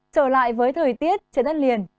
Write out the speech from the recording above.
trở lại với thời tiết trên đất liền